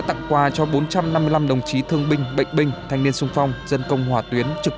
tặng quà cho bốn trăm năm mươi năm đồng chí thương binh bệnh binh thanh niên sung phong dân công hỏa tuyến trực